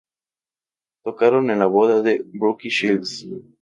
Tocaron en la boda de Brooke Shields.